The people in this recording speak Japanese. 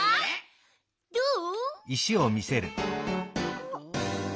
どう？